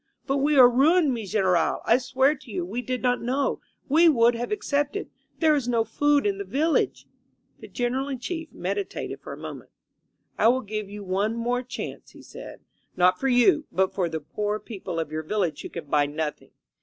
"But we are ruined, mi General! — ^I swear to you — We did not know — ^We would have accepted — ^There is no food in the village " The Greneral in Chief meditated for a moment. I will give you one more chance," he said, "not for you, but for the poor people of your village who can buy nothing.